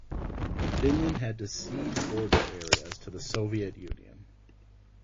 Finland had to cede border areas to the Soviet Union.